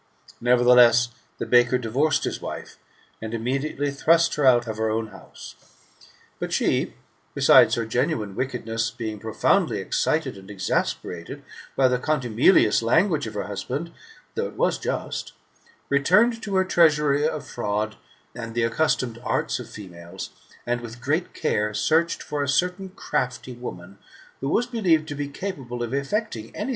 Nevertheless, the baker divorced his wife, and immediately thrust her out of her own house. But she, besides her genuine wickedness, being profoundly excited and exasperated by the contumelious language of her husband, though it was just, returned to her treasury of fraud, and the accustomed arts of females, and with great care searched for a certain crafty woman, who was believed to be capable of effecting GOLDEN ASS, OF APULEIVS. — BOOK IX.